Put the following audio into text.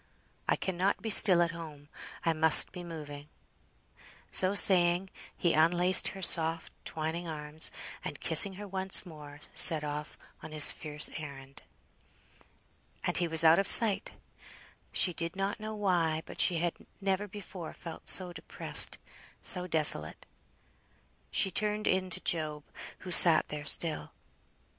I cannot be still at home. I must be moving." So saying, he unlaced her soft twining arms, and kissing her once more, set off on his fierce errand. And he was out of sight! She did not know why, but she had never before felt so depressed, so desolate. She turned in to Job, who sat there still.